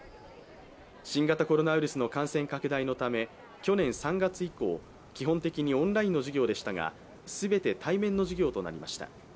新型コロナウイルス感染拡大のため、去年３月以降、基本的にオンラインの授業でしたが、全て対面の授業となりました。